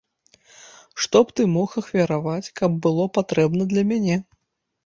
Што б ты мог ахвяраваць, каб было патрэбна для мяне?